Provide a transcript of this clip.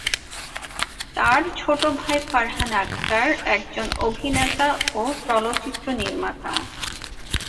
তার ছোট ভাই ফারহান আখতার একজন অভিনেতা ও চলচ্চিত্র নির্মাতা।